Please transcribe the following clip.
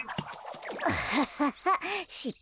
アハハハしっぱい。